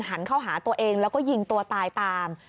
หันเข้าหาตัวเองแล้วก็ยิงตัวตายตาม